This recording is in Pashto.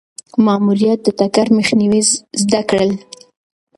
ماموریت د ټکر مخنیوی زده کړل.